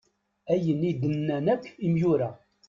Ayen i d-nnan akk imyura.